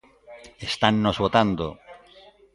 Estannos botando.